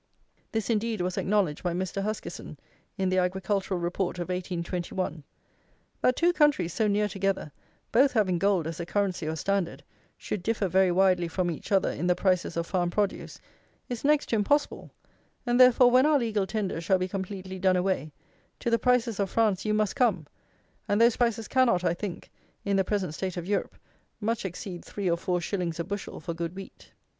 This, indeed, was acknowledged by Mr. Huskisson in the Agricultural Report of 1821. That two countries so near together, both having gold as a currency or standard, should differ very widely from each other, in the prices of farm produce, is next to impossible; and therefore, when our legal tender shall be completely done away, to the prices of France you must come; and those prices cannot, I think, in the present state of Europe, much exceed three or four shillings a bushel for good wheat.